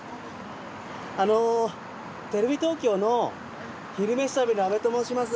あのテレビ東京の「昼めし旅」の阿部と申します。